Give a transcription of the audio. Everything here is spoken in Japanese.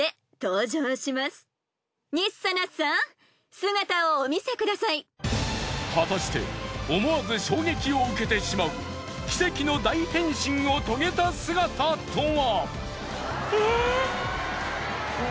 果たして果たして思わず衝撃を受けてしまう奇跡の大変身を遂げた姿とは。